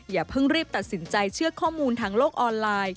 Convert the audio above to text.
อย่าเพิ่งรีบตัดสินใจเชื่อข้อมูลทางโลกออนไลน์